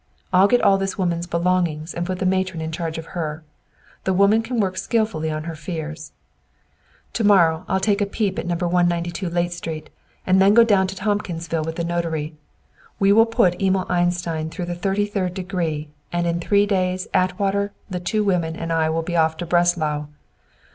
I'll get all this woman's belongings and put the matron in charge of her. The woman can work skilfully on her fears. "To morrow I'll take a peep at No. 192 Layte Street, then go down to Tompkinsville with the notary. We will put Emil Einstein 'through the thirty third degree,' and in three days Atwater, the two women and I will be off for Breslau.